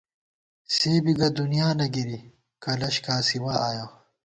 سے بی گہ دُنیانہ گِری ، کلَش کاسِوا آیَہ